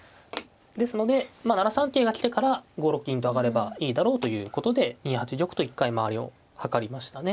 ですので７三桂が来てから５六銀と上がればいいだろうということで２八玉と一回間合いを図りましたね。